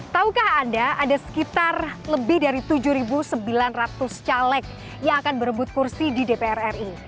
tahukah anda ada sekitar lebih dari tujuh sembilan ratus caleg yang akan berebut kursi di dpr ri